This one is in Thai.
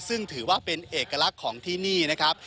ซึ่งถือว่าเป็นเอกลักษณ์ของที่นี่นะครับ